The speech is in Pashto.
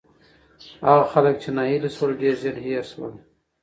هغه خلک چې ناهیلي شول، ډېر ژر هېر شول.